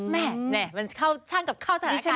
แหม่มันช่างกับเข้าสถานการณ์ตอนนี้